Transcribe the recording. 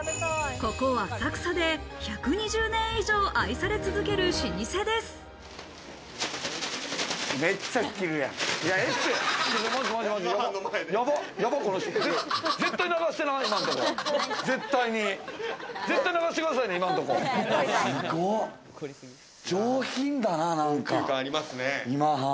ここ浅草で１２０年以上、愛され続ける老舗です。